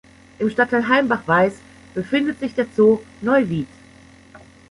Im Stadtteil Heimbach-Weis befindet sich der Zoo Neuwied.